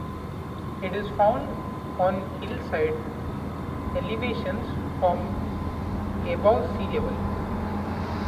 It is found on hillside elevations from above sea level.